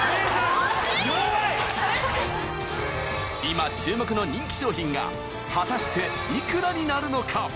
今注目の人気商品が果たして幾らになるのか？